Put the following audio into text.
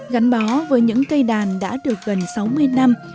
gắn bó với những cây đàn đã được gần sáu mươi năm